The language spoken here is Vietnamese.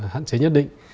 hạn chế nhất định